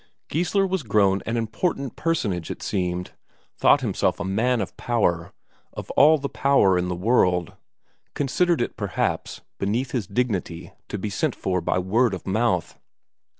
Geissler was grown an important personage, it seemed; thought himself a man of power, of all the power in the world; considered it, perhaps, beneath his dignity to be sent for by word of mouth.